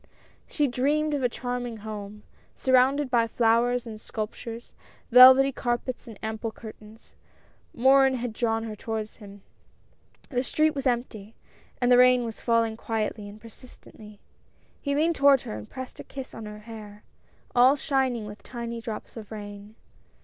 She dreamed of a charming home, surrounded by flowers and sculptures ; velvety carpets and ample curtains. Morin had drawn her toward him. The street was empty, and the rain was falling quietly and persistently. He leaned toward her and pressed a kiss on her hair, all shining with tiny drops of rain.